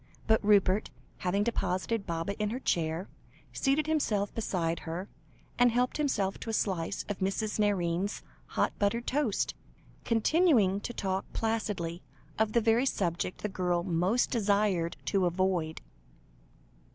But Rupert, having deposited Baba in her chair, seated himself beside her, and helped himself to a slice of Mrs. Nairne's hot buttered toast, continuing to talk placidly of the very subject the girl most desired to avoid.